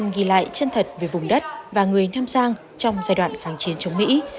ghi lại chân thật về vùng đất và người nam giang trong giai đoạn kháng chiến chống mỹ